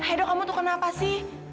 hedo kamu tuh kenapa sih